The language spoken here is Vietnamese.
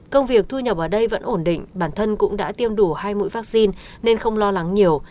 công việc thu nhập ở đây vẫn ổn định bản thân cũng đã tiêm đủ hai mũi vaccine nên không lo lắng nhiều